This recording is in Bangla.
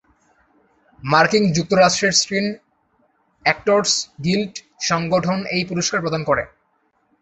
মার্কিন যুক্তরাষ্ট্রের স্ক্রিন অ্যাক্টরস গিল্ড সংগঠন এই পুরস্কার প্রদান করে।